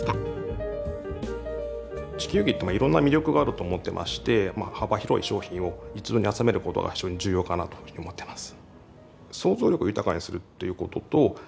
地球儀っていろんな魅力があると思ってまして幅広い商品を一堂に集めることが非常に重要かなというふうに思ってます。